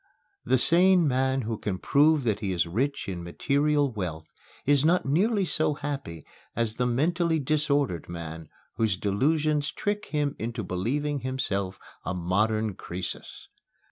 The sane man who can prove that he is rich in material wealth is not nearly so happy as the mentally disordered man whose delusions trick him into believing himself a modern Croesus.